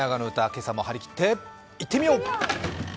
今朝も張り切っていってみよう！